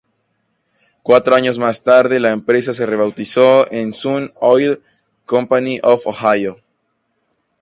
Cuatro años más tarde la empresa se rebautizó en Sun Oil Company of Ohio.